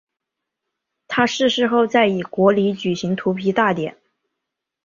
他逝世后在以国礼举行荼毗大典。